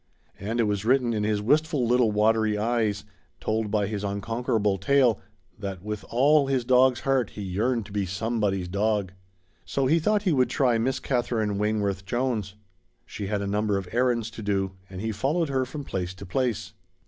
And it was written in his wistful little watery eyes, told by his unconquerable tail, that with all his dog's heart he yearned to be Somebody's dog. So he thought he would try Miss Katherine Wayneworth Jones. She had a number of errands to do, and he followed her from place to place.